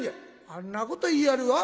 「あんなこと言いよるわ。